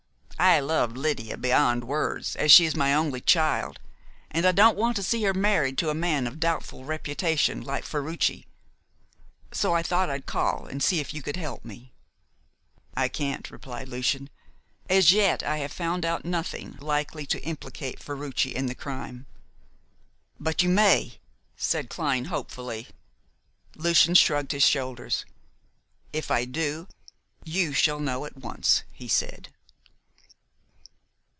I love Lydia beyond words, as she is my only child, and I don't want to see her married to a man of doubtful reputation like Ferruci. So I thought I'd call and see if you could help me." "I can't," replied Lucian. "As yet I have found out nothing likely to implicate Ferruci in the crime." "But you may," said Clyne hopefully. Lucian shrugged his shoulders. "If I do, you shall know at once," he said.